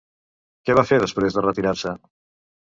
Què va fer després de retirar-se?